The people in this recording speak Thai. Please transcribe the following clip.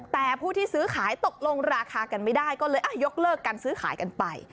แต่ผู้ที่ซื้อขายตกลงราคากันไม่ได้ก็เลยยกเลิกการซื้อขายกันไป